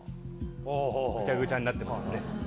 ぐちゃぐちゃになってますよね。